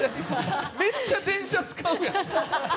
めっちゃ電車使うやん！